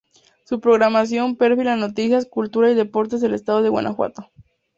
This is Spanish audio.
Su programación perfila en noticias, cultura y deportes del estado de Guanajuato.